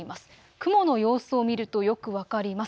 雲の様子を見るとよく分かります。